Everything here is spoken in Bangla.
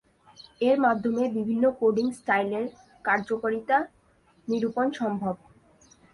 এর মাধ্যমে বিভিন্ন কোডিং স্টাইলের কার্যকারিতা নিরূপণ সম্ভব।